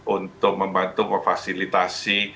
untuk membantu memfasilitasi